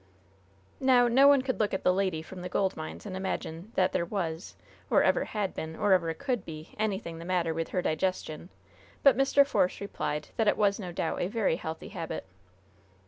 Now no one could look at the lady from the gold mines and imagine that there was, ever had been, or ever could be, anything the matter with her digestion; but Mr. Force replied that it was no doubt a very healthy habit.